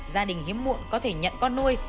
gia đình hiếm muộn có thể nhận con nuôi